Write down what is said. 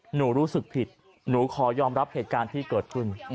รู้สึกผิดหนูขอยอมรับเหตุการณ์ที่เกิดขึ้น